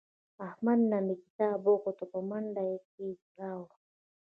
احمد نه مې کتاب وغوښت په منډه کې یې راوړ.